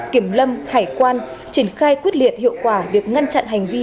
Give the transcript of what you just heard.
kiểm lâm hải quan triển khai quyết liệt hiệu quả việc ngăn chặn hành vi